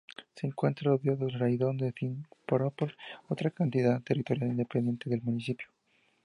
Se encuentra rodeado del Raión de Simferópol, otra entidad territorial independiente del Municipio.